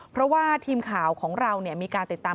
เพราะว่าทีมข่าวของเรามีการติดตาม